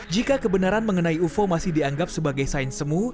jika kebenaran mengenai ufo masih dianggap sebagai sains semu